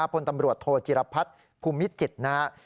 พลตำรวจโทจิรพัฒน์ภูมิจิตรนะครับ